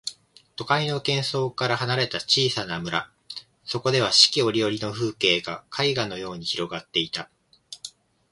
都会の喧騒から離れた小さな村、そこでは四季折々の風景が絵画のように広がっていた。